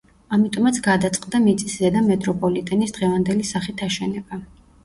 ამიტომაც გადაწყდა მიწისზედა მეტროპოლიტენის დღევანდელი სახით აშენება.